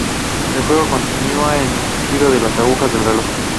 El juego continúa en el sentido de las agujas del reloj.